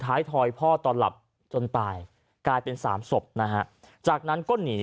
ทอยพ่อตอนหลับจนตายกลายเป็นสามศพนะฮะจากนั้นก็หนี